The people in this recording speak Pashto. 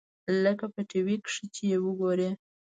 لکه په ټي وي کښې چې يې وګورې.